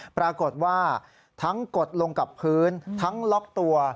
ปรากฏว่าทั้งกดลงกับพื้นทั้งล็อกตัว